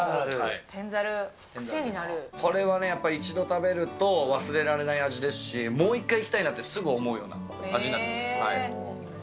これはね、やっぱり一度食べると忘れられない味ですし、もう一回来たいなってすぐ思うような味なんです。